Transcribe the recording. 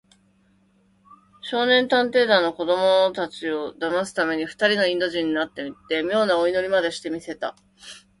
きみときみのコックとが、今井君と運転手に化けたうえ、少年探偵団の子どもたちをだますために、ふたりのインド人になって、みょうなお祈りまでして見せた。